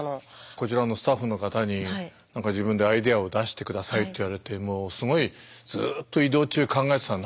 こちらのスタッフの方に何か自分でアイデアを出して下さいと言われてずっと移動中考えてたの。